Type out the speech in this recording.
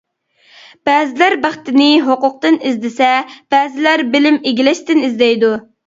بەزىلەر بەختىنى ھوقۇقتىن ئىزدىسە، بەزىلەر بىلىم ئىگىلەشتىن ئىزدەيدۇ.